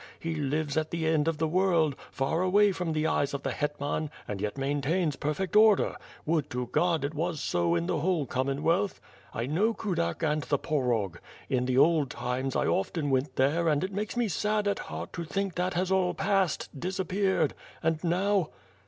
He lives at the end of the world, far away from the eyes of the hetman and yet maintains perfect order — would to God it was so in the whole Commonwealth. I know Ku dak and the Porog. In the old times, I often went there and it makes me sad at heart to think that has all passed, disappeared, and now.